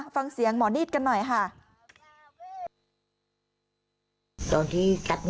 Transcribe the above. ฟังเสียงหมอนิดกันหน่อยค่ะ